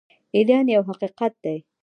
ایران یو حقیقت دی.